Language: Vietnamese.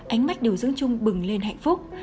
ánh mắt điều dưỡng chung bừng lên hạnh phúc